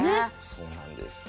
そうなんです。